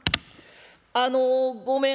「あのごめん」。